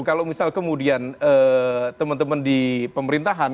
kalau misal kemudian teman teman di pemerintahan